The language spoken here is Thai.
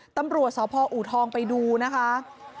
ตำรวจสพอูทองไปดูนะคะ